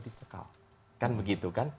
dicekal kan begitu kan